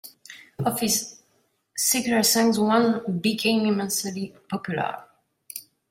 Of his secular songs, one became immensely popular.